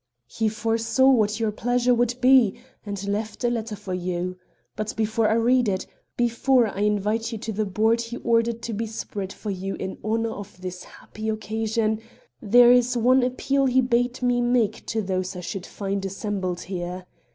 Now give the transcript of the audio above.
"He foresaw what your pleasure would be, and left a letter for you. But before I read it, before I invite you to the board he ordered to be spread for you in honor of this happy occasion, there is one appeal he bade me make to those I should find assembled here.